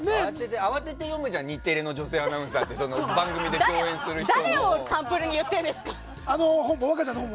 慌てて読むじゃん日テレの女性アナウンサーって番組で共演する人の本を。